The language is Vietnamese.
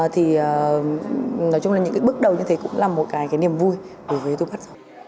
thì nói chung là những cái bước đầu như thế cũng là một cái niềm vui đối với tôi bắt họ